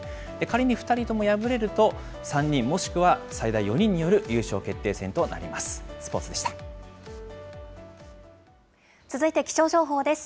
仮に２人とも敗れると、３人もしくは最大４人による優勝決定戦となります。